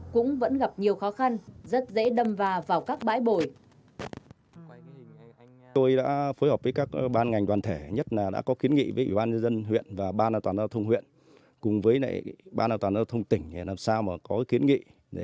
cũng vẫn gặp nhiều khó khăn rất dễ đâm vào vào các bãi bồi